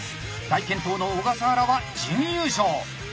大健闘の小笠原は準優勝。